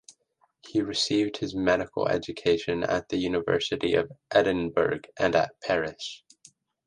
He received his medical education at the University of Edinburgh and at Paris.